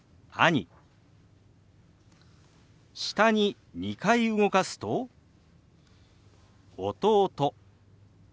下に２回動かすと「弟」。